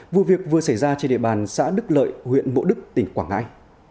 vụ việc vừa xảy ra trên địa bàn xã đức lợi huyện bộ đức tỉnh quảng ngãi